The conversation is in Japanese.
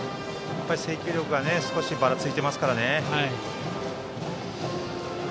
制球力が少しばらついていますからね。